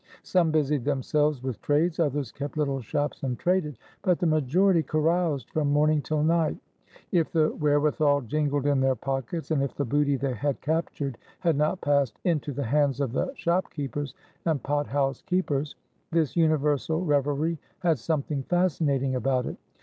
Some busied themselves with trades, others kept little shops and traded; but the ma jority caroused from morning till night — if the where withal jingled in their pockets, and if the booty they had captured had not passed into the hands of the shop keepers and pot house keepers. This universal revelry had something fascinating about it.